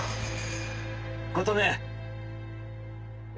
琴音。